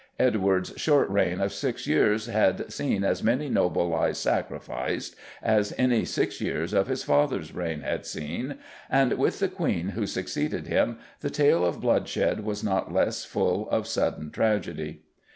Edward's short reign of six years had seen as many noble lives sacrificed as any six years of his father's reign had seen, and with the Queen who succeeded him the tale of bloodshed was not less full of sudden tragedy.